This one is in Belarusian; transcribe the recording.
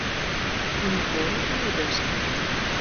Не горад і не вёска.